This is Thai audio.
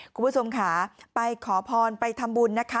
คุณผู้ชมค่ะไปขอพรไปทำบุญนะคะ